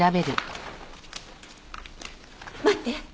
待って！